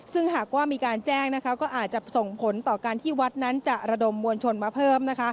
ซึ่งหากว่ามีการแจ้งก็อาจจะส่งผลต่อการที่วัดนั้นจะระดมมวลชนมาเพิ่ม